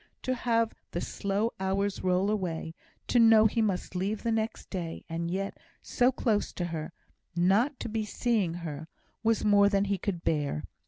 To have the slow hours roll away to know he must leave the next day and yet, so close to her, not to be seeing her was more than he could bear.